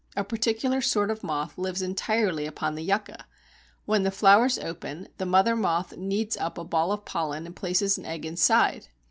A particular sort of moth lives entirely upon the Yucca. When the flowers open, the mother moth kneads up a ball of pollen and places an egg inside.